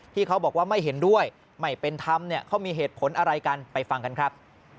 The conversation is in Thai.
เขาบอกว่าไม่เห็นด้วยไม่เป็นธรรมเนี่ยเขามีเหตุผลอะไรกันไปฟังกันครับ